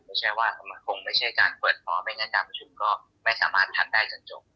ไม่ใช่ว่าคงไม่ใช่การเปิดพร้อมไม่งั้นการประชุมก็ไม่สามารถทำได้จนจบ